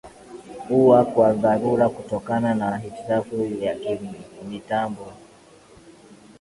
ua kwa dharura kutokana na hitilafu ya kimitambo